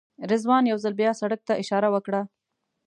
رضوان یو ځل بیا سړک ته اشاره وکړه.